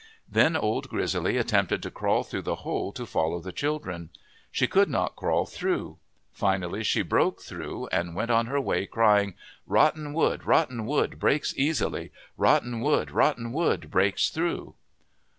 Then Old Grizzly attempted to crawl through the hole, to follow the children. She could not crawl through. Finally she broke through and went on her way crying :" Rotten wood, rotten wood breaks easily. Rotten wood, rotten wood breaks through."